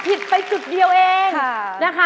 ผิดไปจุดเดียวเองนะคะ